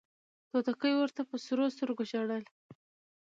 توتکۍ ورته په سرو سترګو ژړله